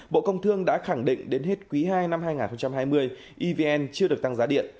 bộ công thương đã khẳng định đến hết quý ii năm hai nghìn hai mươi evn chưa được tăng giá điện